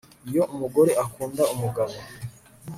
iyo umugore akunda umugabo